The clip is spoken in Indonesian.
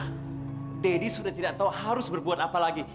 pernahpun sudah tidak tahu harus berbuat apa lagi